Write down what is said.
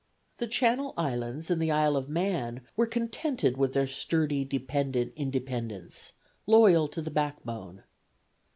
The Channel Islands and the Isle of Man were contented with their sturdy dependent independence, loyal to the backbone.